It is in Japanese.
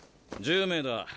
１０名だ。